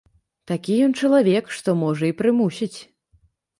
Такі ён чалавек, што можа і прымусіць.